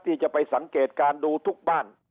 ที่จะไปสังเกตการณ์ดูทุกบ้าน